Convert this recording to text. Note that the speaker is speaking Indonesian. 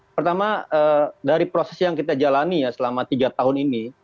pertama dari proses yang kita jalani ya selama tiga tahun ini